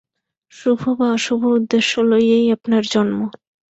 শুভ বা অশুভ উদ্দেশ্য লইয়াই আপনার জন্ম।